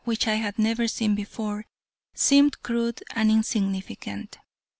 which I had never seen before, seemed crude and insignificant.